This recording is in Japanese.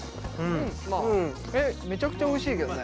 えっめちゃくちゃおいしいけどね。